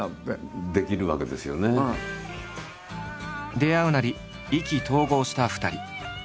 出会うなり意気投合した２人。